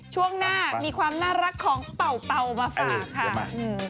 ช่วงหน้ามีความน่ารักของเป่าเป่ามาฝากค่ะ